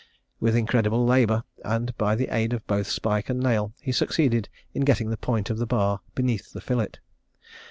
With incredible labour, and by the aid of both spike and nail, he succeeded in getting the point of the bar beneath the fillet.